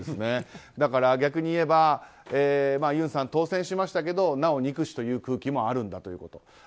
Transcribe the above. だから逆に言えば、尹さん当選しましたけどなお憎しという空気もあるんだということ。